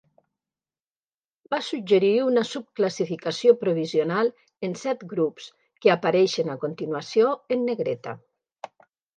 Va suggerir una subclassificació provisional en set grups, que apareixen a continuació en negreta.